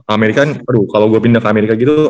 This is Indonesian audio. amerika aduh kalau gue pindah ke amerika gitu